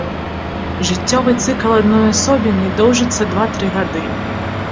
Жыццёвы цыкл адной асобіны доўжыцца два-тры гады.